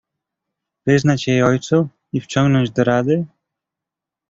"Wyznać jej ojcu i wciągnąć do rady?"